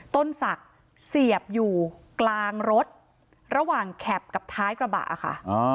ต้นศักดิ์เสียบอยู่กลางรถระหว่างแข็บกับท้ายกระบะค่ะ